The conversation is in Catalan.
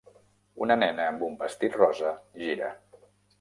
Una nena amb un vestit rosa gira.